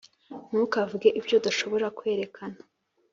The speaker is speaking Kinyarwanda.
ntukavuge ibyo udashobora kwerekana